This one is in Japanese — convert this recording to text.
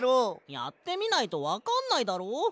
やってみないとわかんないだろ。